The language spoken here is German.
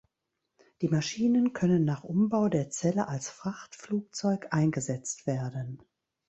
Die Maschinen können nach Umbau der Zelle als Frachtflugzeug eingesetzt werden.